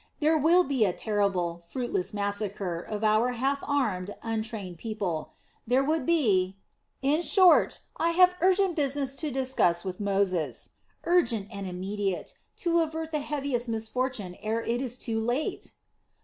There would be a terrible, fruitless massacre of our half armed, untrained people, there would be in short, I have urgent business to discuss with Moses, urgent and immediate, to avert the heaviest misfortune ere it is too late."